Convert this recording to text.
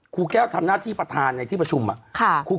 ครูแก้วทำหน้าที่ประธานในที่ประชุม